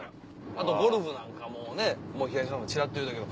あとゴルフなんかもね東野さんちらっと言うてたけど。